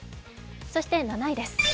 そして７位です